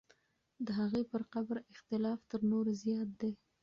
د هغې پر قبر اختلاف تر نورو زیات دی.